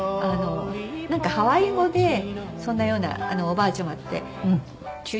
なんかハワイ語でそんなようなおばあちゃまってチュチュ。